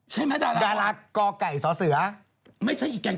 เห้ยอยากรู้มาก